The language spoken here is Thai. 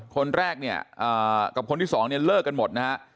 คนแรกเนี่ยกับคนที่สองเนี่ยเลิกกันหมดนะฮะ